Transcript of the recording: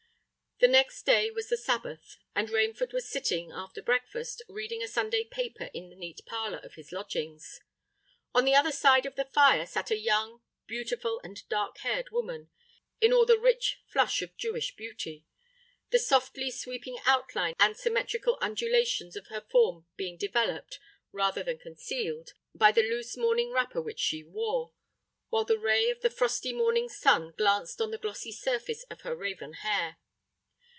The next day was the Sabbath; and Rainford was sitting, after breakfast, reading a Sunday paper in the neat parlour of his lodgings. On the other side of the fire sate a young—beautiful—and dark eyed woman—in all the rich flush of Jewish beauty,—the softly sweeping outline and symmetrical undulations of her form being developed, rather than concealed, by the loose morning wrapper which she wore; while the ray of the frosty morning's sun glanced on the glossy surface of her raven hair.